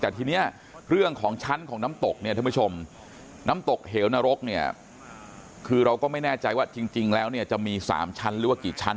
แต่ทีนี้เรื่องของชั้นของน้ำตกเนี่ยท่านผู้ชมน้ำตกเหวนรกเนี่ยคือเราก็ไม่แน่ใจว่าจริงแล้วเนี่ยจะมี๓ชั้นหรือว่ากี่ชั้น